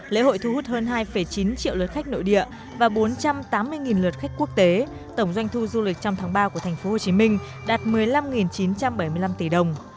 lễ hội thu hút hơn hai chín triệu lượt khách nội địa và bốn trăm tám mươi lượt khách quốc tế tổng doanh thu du lịch trong tháng ba của tp hcm đạt một mươi năm chín trăm bảy mươi năm tỷ đồng